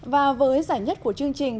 và với giải nhất của chương trình